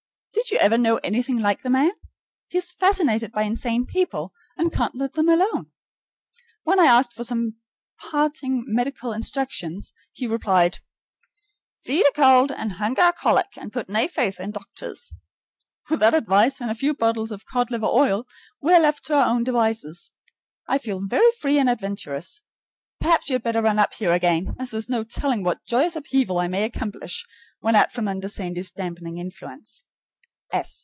Did you ever know anything like the man? He is fascinated by insane people, and can't let them alone. When I asked for some parting medical instructions, he replied: "Feed a cowld and hunger a colic and put nae faith in doctors." With that advice, and a few bottles of cod liver oil we are left to our own devices. I feel very free and adventurous. Perhaps you had better run up here again, as there's no telling what joyous upheaval I may accomplish when out from under Sandy's dampening influence.